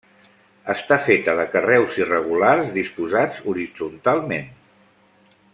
Està feta de carreus irregulars disposats horitzontalment.